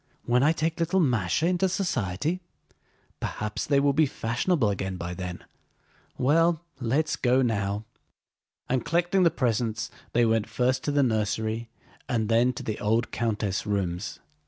"When I take little Másha into society? Perhaps they will be fashionable again by then. Well, let's go now." And collecting the presents they went first to the nursery and then to the old countess' rooms.